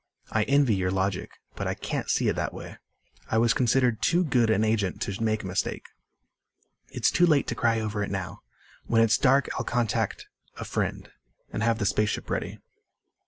"I envy your logic. But I can't see it that way. I was considered too good an agent to make a mistake." "It's too late to cry over it now. When it is dark I'll contact a friend and have the space ship ready."